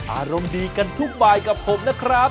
อารมณ์ดีกันทุกบายกับผมนะครับ